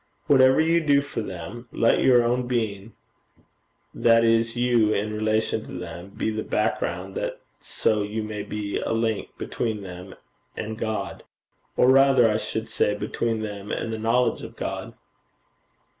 Whatever you do for them, let your own being, that is you in relation to them, be the background, that so you may be a link between them and God, or rather I should say, between them and the knowledge of God.'